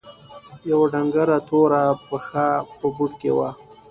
يوه ډنګره توره پښه په بوټ کښې وه.